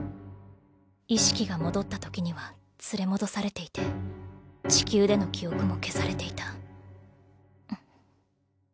意識が戻った時には連れ戻されていて地球での記憶も消されていた。